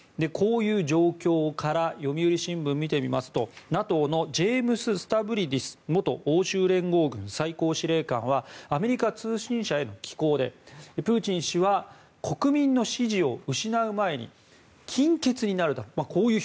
こういう状況から読売新聞を見てみますとＮＡＴＯのジェームス・スタブリディス元欧州連合軍最高司令官はアメリカ通信社への寄稿でプーチン氏は国民の支持を失う前に金欠になるだろう